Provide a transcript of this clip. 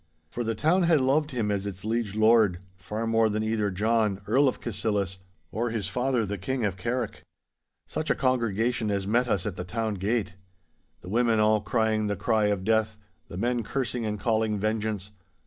For the town had loved him as its liege lord, far more than either John, Earl of Cassillis, or his father the King of Carrick. Such a congregation as met us at the town gate! The women all crying the cry of death, the men cursing and calling vengeance.